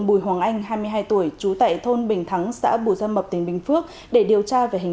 bùi hoàng anh hai mươi hai tuổi chú tại thôn bình thắng xã bùi dân mập tỉnh bình phước để điều tra về hành